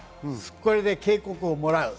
これで警告をもらう。